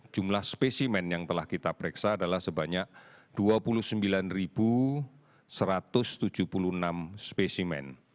jumlah spesimen yang telah kita periksa adalah sebanyak dua puluh sembilan satu ratus tujuh puluh enam spesimen